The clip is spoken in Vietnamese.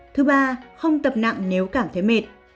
thứ ba không tập nặng nếu cảm thấy mệt